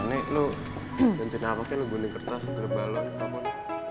nek lu gantiin apa gantiin kertas gantiin balon apapun